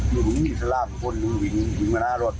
อยู่ตรงนี้มีสลาบคนหนึ่งวิ่งมาหน้ารถ